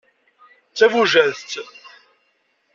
D tabujadt.